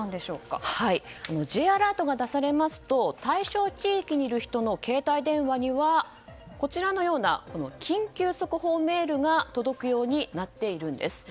Ｊアラートが出されますと対象地域にいる人の携帯電話にはこのような緊急速報メールが届くようになっているんです。